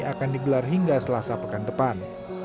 akan digelar hingga selasa pekan depan